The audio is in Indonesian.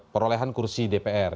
perolehan kursi dpr